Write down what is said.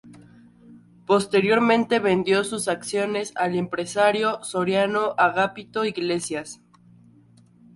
Posteriormente vendió sus acciones al empresario soriano Agapito Iglesias.